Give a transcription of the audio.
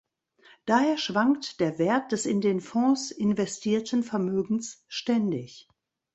Daher schwankt der Wert des in den Fonds investierten Vermögens ständig.